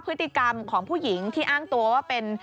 พฤติกรรมของผู้หญิงที่อ้างตัวว่าเป็น